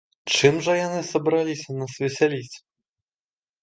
Чым жа яны сабраліся нас весяліць?